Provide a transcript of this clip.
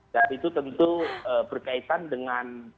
dan itu tentu berkaitan dengan